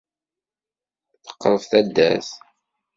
Teqreb taddart.